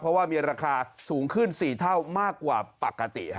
เพราะว่ามีราคาสูงขึ้น๔เท่ามากกว่าปกติ